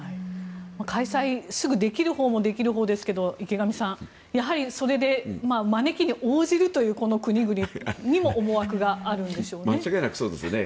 開催、すぐにできるほうもできるほうですが池上さん、やはりそれで招きに応じるという国々にも間違いなくそうですよね。